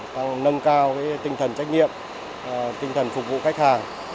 tăng nâng cao tinh thần trách nhiệm tinh thần phục vụ khách hàng